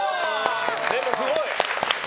でも、すごい！